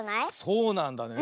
そうなんだね。